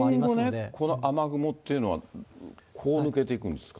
これ、今後ね、この雨雲っていうのは、こう抜けていくんですか。